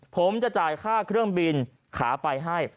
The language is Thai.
ผมจะจ่ายค่าเครื่องบินขาไปให้